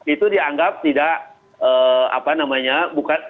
itu dianggap tidak apa namanya bukan